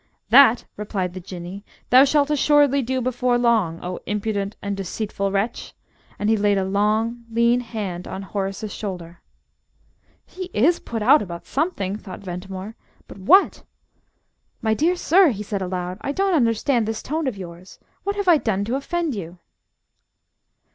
"That," replied the Jinnee, "thou shalt assuredly do before long, O impudent and deceitful wretch!" And he laid a long, lean hand on Horace's shoulder. "He is put out about something!" thought Ventimore. "But what?" "My dear sir," he said aloud, "I don't understand this tone of yours. What have I done to offend you?"